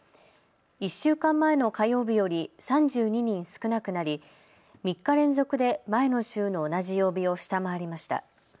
１週間前の火曜日より３２人少なくなり３日連続で前の週の同じ曜日を下回りました。